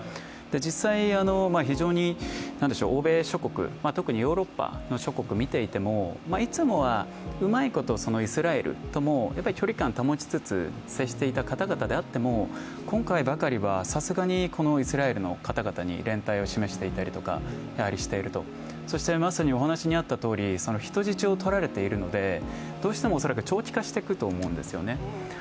実際、非常に欧米諸国、特にヨーロッパの諸国を見ていてもいつもは、うまいことイスラエルとも距離感を保ちつつ接していた方々でも今回ばかりはさすがにこのイスラエルの方々に連帯を示したりしているとそして人質を取られているので、どうしても長期化していくと思うんですね。